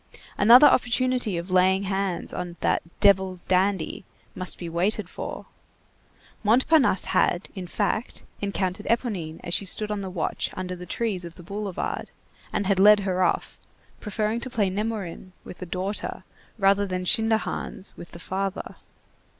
Another opportunity of laying hands on that "devil's dandy" must be waited for. Montparnasse had, in fact, encountered Éponine as she stood on the watch under the trees of the boulevard, and had led her off, preferring to play Nemorin with the daughter rather than Schinderhannes with the father.